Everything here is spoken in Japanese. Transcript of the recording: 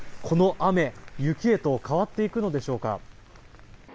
この雨、雪へと変わっていくのでしょうか。